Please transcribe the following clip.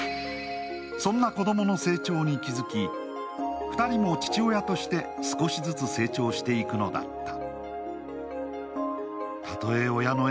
そんな子供の成長に気づき、２人も父親として少しずつ成長していくのだった。